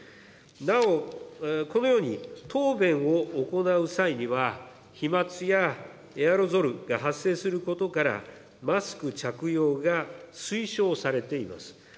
なお、このように答弁を行う際には、飛まつやエアロゾルが発生することから、マスク着用が推奨されています。